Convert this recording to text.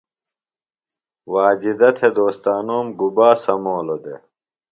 واجدہ تھےۡ دوستنوم گُبا سمولوۡ دےۡ؟